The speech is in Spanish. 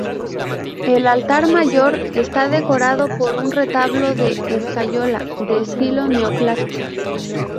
El altar mayor está decorado por un retablo de escayola de estilo neoclásico.